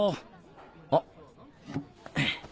あっ。